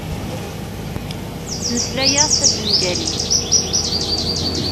Ttmeslayeɣ tabengalit.